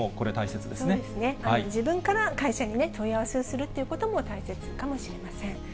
そうですね、自分から会社に問い合わせをするということも大切かもしれません。